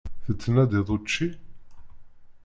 Tettnadiḍ učči?